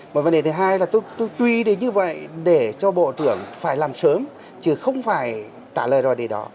và vấn đề thứ hai là tôi tuy như vậy để cho bộ trưởng phải làm sớm chứ không phải tả lời rồi để đó